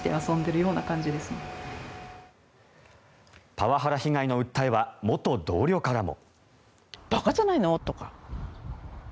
パワハラ被害の訴えは元同僚からも。